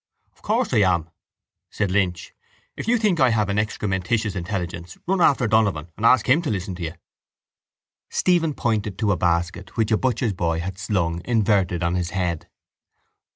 —Of course, I am, said Lynch. If you think I have an excrementitious intelligence run after Donovan and ask him to listen to you. Stephen pointed to a basket which a butcher's boy had slung inverted on his head.